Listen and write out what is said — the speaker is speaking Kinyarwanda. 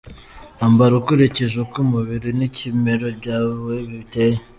Ambara ukurikije uko umubiri nikimero byawe biteye.